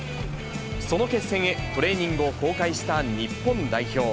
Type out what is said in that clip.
その決戦へ、トレーニングを公開した日本代表。